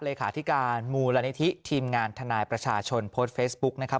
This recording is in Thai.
เลขาธิการมูลนิธิทีมงานทนายประชาชนโพสต์เฟซบุ๊กนะครับ